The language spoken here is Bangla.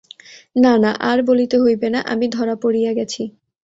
না না, আর বলিতে হইবে না, আমি ধরা পড়িয়া গেছি।